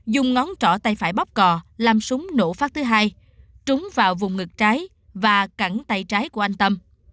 dùng ngón trỏ tay phải bóc cò làm súng nổ phát thứ hai trúng vào vùng ngực trái và cẳng tay trái của anh tâm